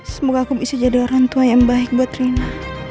semoga aku bisa jadi orang tua yang baik buat rina